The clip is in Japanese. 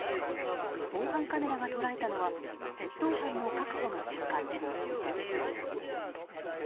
防犯カメラが捉えたのは窃盗犯の確保の瞬間です。